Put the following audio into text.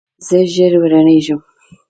زه ژر روانیږم